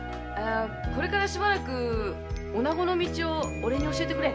これからしばらく女子の道を俺に教えてくれ。